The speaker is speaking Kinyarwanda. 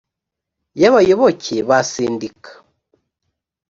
y abayoboke ba sendika